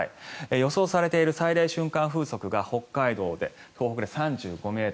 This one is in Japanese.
予想されている最大瞬間風速が北海道、東北で３５ｍ